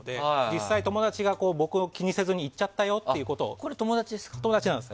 実際、友達が僕を気にせず行っちゃったという絵で。